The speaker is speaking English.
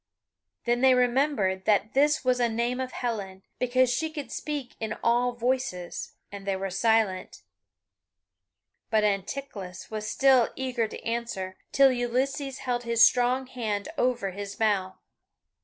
Then they remembered that this was a name of Helen, because she could speak in all voices, and they were silent; but Anticlus was still eager to answer, till Ulysses held his strong hand over his mouth.